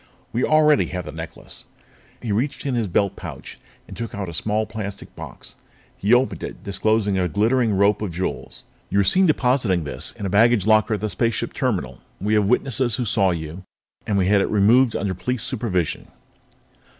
We already have the necklace." He reached in his belt pouch and took out a small plastic box. He opened it, disclosing a glittering rope of jewels. "You were seen depositing this in a baggage locker at the spaceship terminal. We have witnesses who saw you, and we had it removed under police supervision."